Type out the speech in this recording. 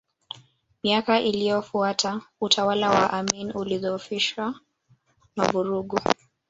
Miaka iliyofuata utawala wa Amin ulidhoofishwa na vurugu